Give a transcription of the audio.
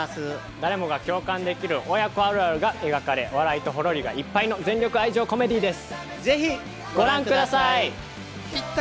誰もが共感できる親子あるあるが描かれ、笑いとホロリがいっぱいの全力愛情コメディーです。